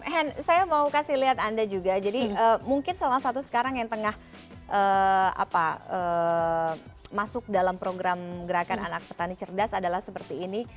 hen saya mau kasih lihat anda juga jadi mungkin salah satu sekarang yang tengah masuk dalam program gerakan anak petani cerdas adalah seperti ini